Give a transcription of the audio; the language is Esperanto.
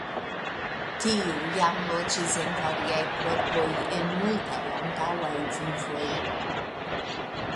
Tiu jam loĝis en variaj korpoj en multaj antaŭaj vivoj.